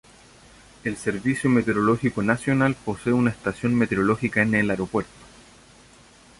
El Servicio Meteorológico Nacional posee una estación meteorológica en el aeropuerto.